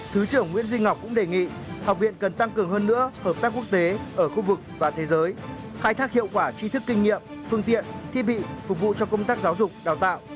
thứ trưởng nguyễn duy ngọc cũng đề nghị học viện cần tăng cường hơn nữa hợp tác quốc tế ở khu vực và thế giới khai thác hiệu quả chi thức kinh nghiệm phương tiện thiết bị phục vụ cho công tác giáo dục đào tạo